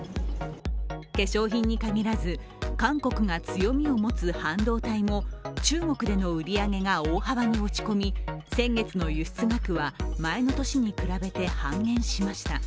化粧品に限らず、韓国が強みを持つ半導体も中国での売り上げが大幅に落ち込み、先月の輸出額は前の年に比べて半減しました。